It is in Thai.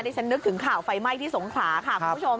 ฉันนึกถึงข่าวไฟไหม้ที่สงขลาค่ะคุณผู้ชม